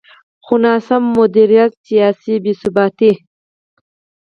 خو ناسم مدیریت، سیاسي بې ثباتي.